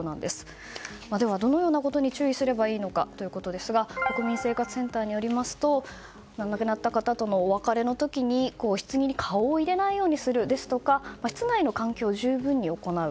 では、どのようなことに注意すればいいのかということですが国民生活センターによりますと亡くなった方とのお別れの時に棺に顔を入れないようにするですとか室内の換気を十分に行う。